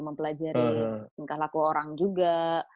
mempelajari tingkah laku orang juga